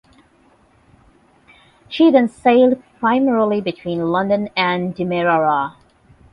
She then sailed primarily between London and Demerara.